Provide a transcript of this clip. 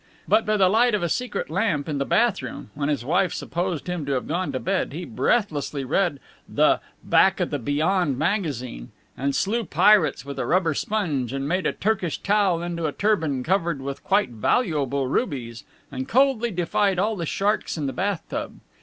But by the light of a secret lamp in the bathroom, when his wife supposed him to have gone to bed, he breathlessly read the Back o' the Beyond Magazine, and slew pirates with a rubber sponge, and made a Turkish towel into a turban covered with quite valuable rubies, and coldly defied all the sharks in the bathtub.